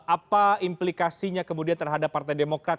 apa implikasinya kemudian terhadap partai demokrat